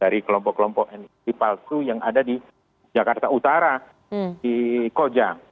dan banyak dari kelompok kelompok nii palsu yang ada di jakarta utara di koja